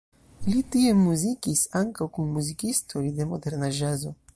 Li tie muzikis ankaŭ kun muzikistoj de moderna ĵazo.